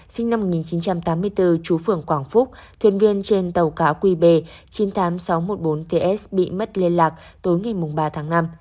sinh năm một nghìn chín trăm tám mươi bốn chú phường quảng phúc thuyền viên trên tàu cá qb chín mươi tám nghìn sáu trăm một mươi bốn ts bị mất liên lạc tối ngày ba tháng năm